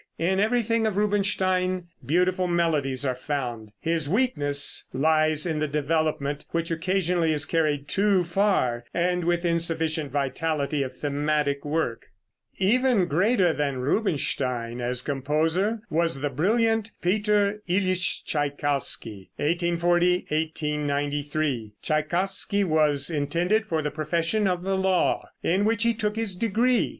In everything of Rubinstein beautiful melodies are found; his weakness lies in the development, which occasionally is carried too far, and with insufficient vitality of thematic work. [Illustration: PETER ILITSCH TSCHAIKOWSKY.] Even greater than Rubinstein as composer was the brilliant Peter Ilitsch Tschaikowsky (1840 1893). Tschaikowsky was intended for the profession of the law, in which he took his degree.